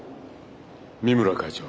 三村会長。